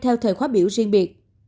theo thời khóa biểu riêng biệt